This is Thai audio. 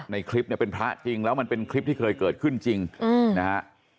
ในคลิปเนี่ยเป็นพระจริงแล้วมันเป็นคลิปที่เคยเกิดขึ้นจริงนะฮะ